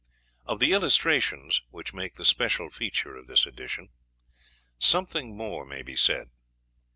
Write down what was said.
Of the illustrations, which make the special feature of this edition, something more may be said.